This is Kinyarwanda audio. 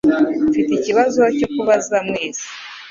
Mfite ikibazo cyo kubaza mwese.